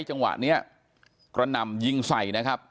จังหวะนี้กระหน่ำยิงใส่นะครับ